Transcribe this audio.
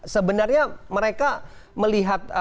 sebenarnya mereka melihat